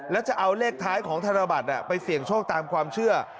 แล้วจะเอาเลขท้ายของธนบัตรไปเสี่ยงโชคตามความเชื่อ